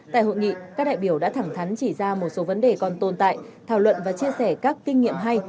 tại hội nghị các đại biểu đã thẳng thắn chỉ ra một số vấn đề còn tồn tại thảo luận và chia sẻ các kinh nghiệm hay